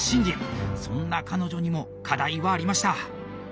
そんな彼女にも課題はありました。